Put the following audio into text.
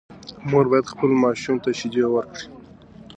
مور باید خپل ماشوم ته شیدې ورکړي.